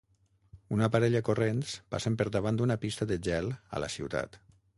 Una parella corrents passen per davant d'una pista de gel a la ciutat.